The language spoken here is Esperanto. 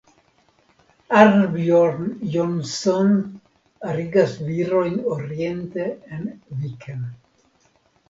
Arnbjorn Jonsson arigas virojn oriente en viken.